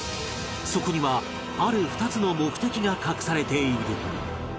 そこにはある２つの目的が隠されている